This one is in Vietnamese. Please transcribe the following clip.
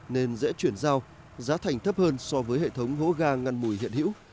nên dễ chuyển giao giá thành thấp hơn so với hệ thống hố ga ngăn mùi hiện hữu